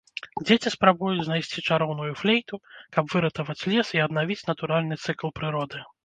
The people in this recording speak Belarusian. Дзеці спрабуюць знайсці чароўную флейту, каб выратаваць лес і аднавіць натуральны цыкл прыроды.